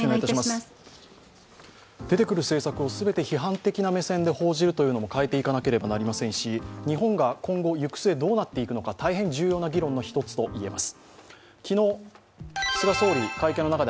出てくる政策を全て批判的な目線で報じるというのも変えていかなければなりませんし、日本が今後、行く末どうなっていくのか、大変重要な議論の１つとなります。